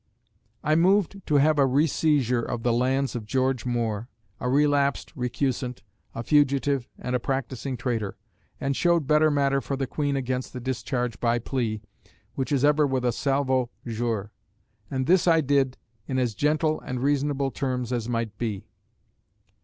_ "I moved to have a reseizure of the lands of Geo. Moore, a relapsed recusant, a fugitive and a practising traytor; and showed better matter for the Queen against the discharge by plea, which is ever with a salvo jure. And this I did in as gentle and reasonable terms as might be.